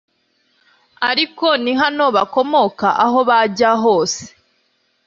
ariko ni hano bakomoka aho uzajya hose